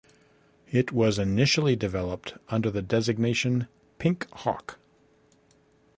It was initially developed under the designation Pink Hawk.